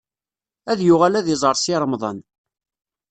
Ad yuɣal ad iẓer Si Remḍan.